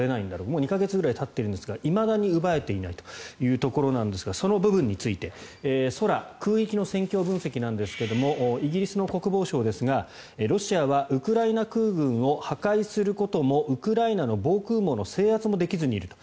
もう２か月ぐらいたっているんですがいまだに奪えていないというところなんですがその部分について空、空域の戦況分析なんですがイギリスの国防省ですがロシアはウクライナ空軍を破壊することもウクライナの防空網の制圧もできずにいると。